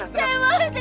saya bukan pelacur